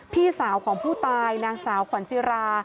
พี่สาวของผู้ตายนางสาวขวัญจิรา